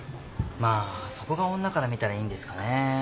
まあそこが女から見たらいいんですかねえ？